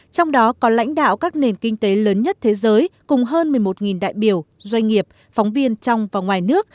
trong đó có lãnh đạo các nền kinh tế lớn nhất thế giới cùng hơn một mươi một đại biểu doanh nghiệp phóng viên trong và ngoài nước